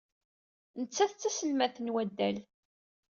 Nettat d taselmadt n waddal.